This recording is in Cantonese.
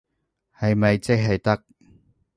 係咪即係得？